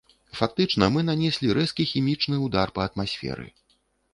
Фактычна мы нанеслі рэзкі хімічны ўдар па атмасферы.